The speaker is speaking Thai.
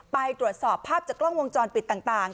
ไปตรวจสอบภาพจากกล้องวงจรปิดต่าง